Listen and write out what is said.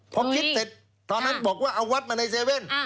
พอคิดเสร็จตอนนั้นบอกว่าเอาวัดมาใน๗๑๑